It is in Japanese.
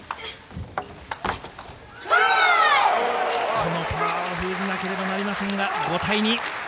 このパワーを封じなければなりません。